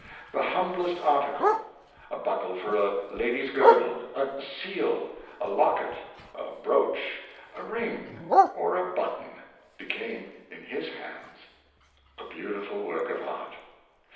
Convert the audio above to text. The humblest article — a buckle for a lady's girdle, a seal, a locket, a brooch, a ring, or a button — became in his hands a beautiful work of art.